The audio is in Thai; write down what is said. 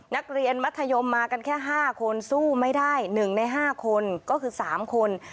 นักเรียนมัธยมมากันแค่๕คนสู้ไม่ได้๑ใน๕คนก็คือ๓คน